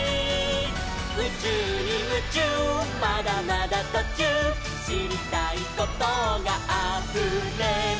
「うちゅうにムチューまだまだとちゅう」「しりたいことがあふれる」